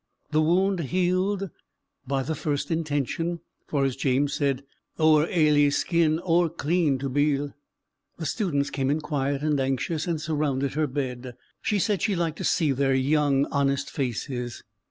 The wound healed "by the first intention;" for as James said, "Oor Ailie's skin's ower clean to beil." The students came in quiet and anxious, and surrounded her bed. She said she liked to see their young, honest faces.